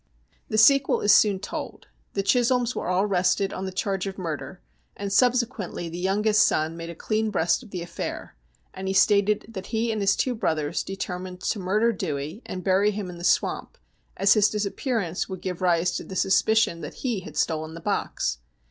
The sequel is soon told. The Chisholms were all arrested on the charge of murder, and subsequently the youngest son made a clean breast of the affair, and he stated that he and his two brothers determined to murder Dewey, and bury him in the swamp, as his disappearance would give rise to the sus picion that he had stolen the box.